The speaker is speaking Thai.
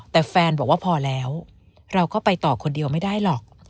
แต่แฟนบอกว่าพอแล้วเราก็ไปต่อคนเดียวไม่ได้หรอก